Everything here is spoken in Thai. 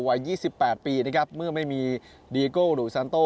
วัย๒๘ปีเมื่อไม่มีดีเอโกหรือซานโต